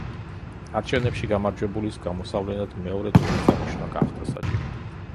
არჩევნებში გამარჯვებულის გამოსავლენად მეორე ტურის დანიშვნა გახდა საჭირო.